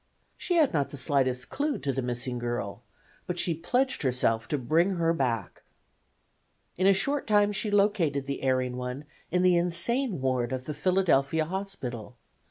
She had not the slightest clue to the missing girl, but she pledged herself to bring her back. In a short time she located the erring one in the insane ward of the Philadelphia Hospital.